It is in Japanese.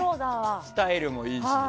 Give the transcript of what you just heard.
スタイルもいいし。